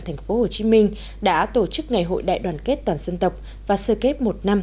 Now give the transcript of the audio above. thành phố hồ chí minh đã tổ chức ngày hội đại đoàn kết toàn dân tộc và sơ kết một năm